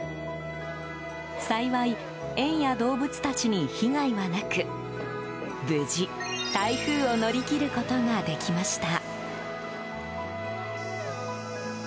幸い、園や動物たちに被害はなく無事、台風を乗り切ることができました。